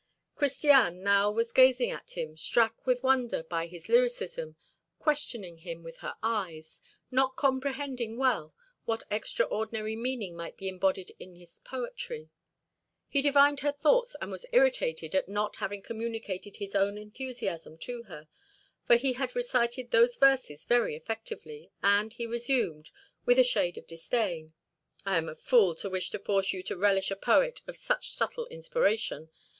Christiane now was gazing at him, struck with wonder by his lyricism, questioning him with her eyes, not comprehending well what extraordinary meaning might be embodied in this poetry. He divined her thoughts, and was irritated at not having communicated his own enthusiasm to her, for he had recited those verses very effectively, and he resumed, with a shade of disdain: "I am a fool to wish to force you to relish a poet of such subtle inspiration.